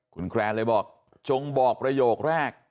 คุณแครนเลยบอกจงบอกประโยคแรก